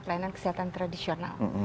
pelayanan kesehatan tradisional